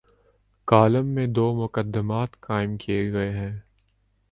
Column میں دومقدمات قائم کیے گئے ہیں۔